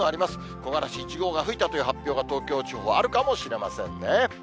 木枯らし１号が吹いたという発表が、東京地方はあるかもしれませんね。